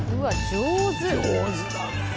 上手だね！